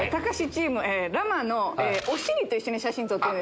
チームラマのお尻と一緒に写真撮ってる。